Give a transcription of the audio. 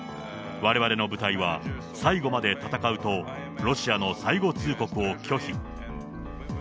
われわれの部隊は最後まで戦うと、ロシアの最後通告を拒否。